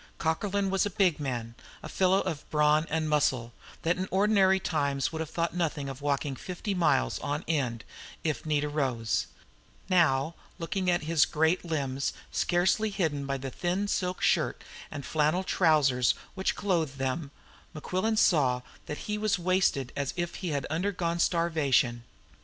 Cockerlyne was a big man, a fellow of brawn and muscle, that in ordinary times would have thought nothing of walking fifty miles on end, if need arose; now, looking at his great limbs, scarcely hidden by the thin silk shirt and flannel trousers which clothed them, Mequillen saw that he was wasted as if he had undergone starvation.